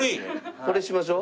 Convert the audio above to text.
これにしましょう。